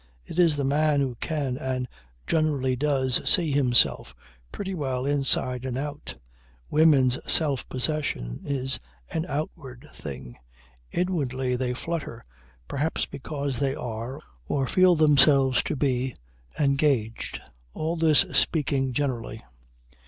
It is the man who can and generally does "see himself" pretty well inside and out. Women's self possession is an outward thing; inwardly they flutter, perhaps because they are, or they feel themselves to be, engaged. All this speaking generally.